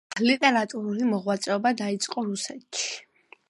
ლიტერატურული მოღვაწეობა დაიწყო რუსეთში.